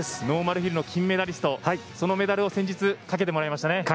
ノーマルヒルの金メダリストそのメダルを先日、かけてもらいましたね。